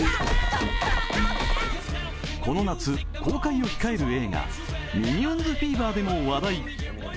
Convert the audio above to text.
この夏、公開を控える映画、「ミニオンズフィーバー」でも話題。